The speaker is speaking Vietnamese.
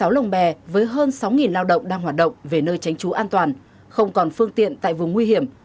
một trăm năm mươi sáu lồng bè với hơn sáu lao động đang hoạt động về nơi tránh trú an toàn không còn phương tiện tại vùng nguy hiểm